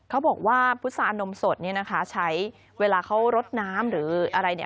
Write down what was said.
เขาบอกว่าพุษานมสดเนี่ยนะคะใช้เวลาเขารดน้ำหรืออะไรเนี่ย